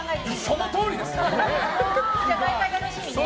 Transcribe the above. そのとおりです！